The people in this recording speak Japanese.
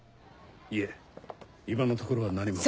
いえ今のところは何も。